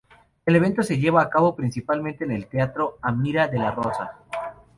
El evento se lleva a cabo principalmente en el teatro Amira de la Rosa.